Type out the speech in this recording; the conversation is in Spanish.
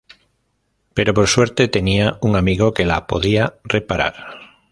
Pero por suerte tenía un amigo que la podía reparar.